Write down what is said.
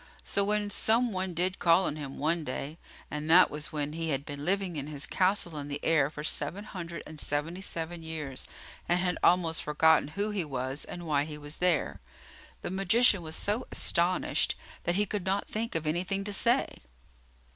So, when some one did call on him, one day, and that was when he had been living in his castle in the air for seven hundred and seventy seven years and had almost forgotten who he was and why he was there, the magician was so astonished that he could not think of anything to say.